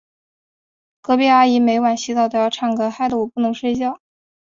隔壁阿姨每晚洗澡都要唱歌，害得我不能睡觉。